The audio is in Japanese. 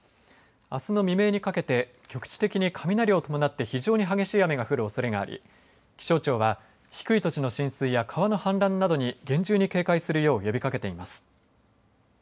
あすの未明にかけて局地的に雷を伴って非常に激しい雨が降るおそれがあり気象庁は低い土地の浸水や川の氾濫などに厳重に警戒するよう呼びかけています。